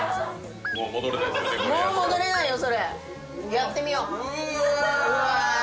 やってみよううわ！